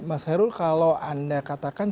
mas hairul kalau anda katakan